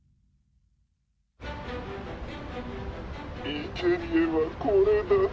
「いけにえはこれだ」。